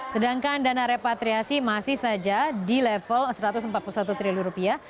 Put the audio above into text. sedangkan dana repatriasi masih saja di level satu ratus empat puluh satu triliun rupiah